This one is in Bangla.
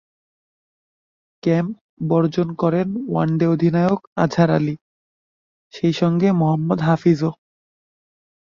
ক্যাম্প বর্জন করেন ওয়ানডে অধিনায়ক আজহার আলী, সেই সঙ্গে মোহাম্মদ হাফিজও।